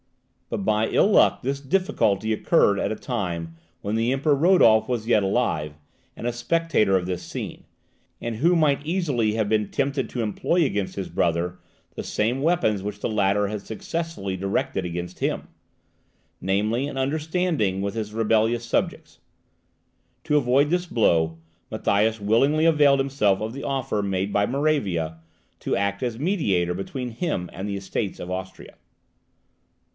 But by ill luck this difficulty occurred at a time when the Emperor Rodolph was yet alive, and a spectator of this scene, and who might easily have been tempted to employ against his brother the same weapons which the latter had successfully directed against him namely, an understanding with his rebellious subjects. To avoid this blow, Matthias willingly availed himself of the offer made by Moravia, to act as mediator between him and the Estates of Austria.